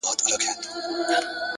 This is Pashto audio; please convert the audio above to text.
هوښیاري د لومړیتوبونو پېژندل دي.!